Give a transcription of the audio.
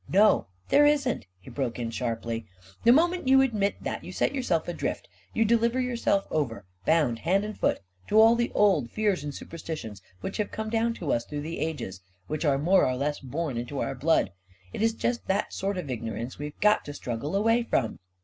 " No, there isn't! " he broke in sharply. " The moment you admit that, you set yourself adrift; you deliver yourself over, bound hand and foot, to all the old fears and superstitions which have come down to us through the ages — which are more or less born into our blood. It is just that sort of ignorance we've got to struggle away from